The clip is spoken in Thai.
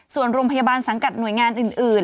ส่วนโรงพยาบาลสังกัดหน่วยงานอื่น